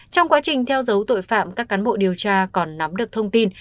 trong quá trình theo dấu tội phạm các cán bộ điều tra còn nắm được thông tin